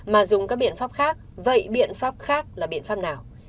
mà dùng các biện pháp khác vậy biện pháp khác là biện pháp nào